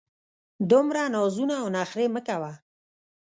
دومره نازونه او نخرې مه کوه!